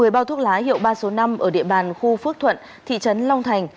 một mươi bao thuốc lá hiệu ba số năm ở địa bàn khu phước thuận thị trấn long thành